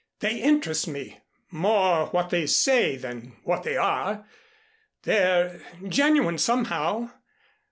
They interest me, more what they say than what they are. They're genuine, somehow.